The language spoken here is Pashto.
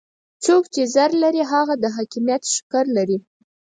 څوک چې زر لري هغه د حاکميت ښکر لري.